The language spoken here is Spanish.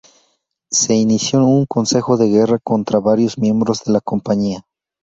Se inició un consejo de guerra contra varios miembros de la compañía.